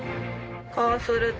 こうすると